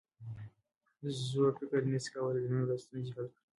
زوړ فکر نسي کولای د نن ورځې ستونزې حل کړي.